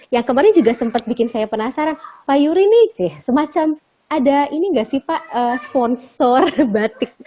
yang kemarin juga sempat bikin saya penasaran pak yuri nih semacam ada ini nggak sih pak sponsor batik